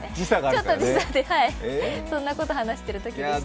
ちょっと時差で、そんなことを話しているときでしたね。